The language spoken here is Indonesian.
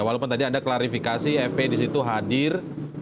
walaupun tadi ada klarifikasi fpi disitu hadir